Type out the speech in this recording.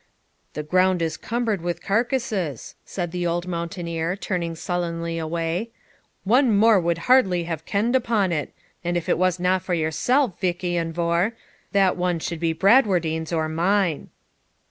'The ground is cumbered with carcasses,' said the old mountaineer, turning sullenly away; 'ONE MORE would hardly have been kenn'd upon it; and if it wasna for yoursell, Vich lan Vohr, that one should be Bradwardine's or mine.'